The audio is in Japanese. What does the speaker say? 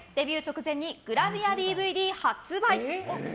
デビュー直前にグラビアＤＶＤ発売。